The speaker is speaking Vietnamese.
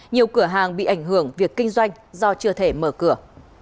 nhiều cửa hàng bị ảnh hưởng việc kinh doanh do chưa thể mở cửa